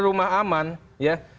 rumah aman ya